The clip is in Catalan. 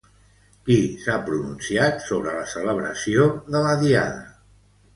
Qui s'ha pronunciat sobre la celebració de la Diada?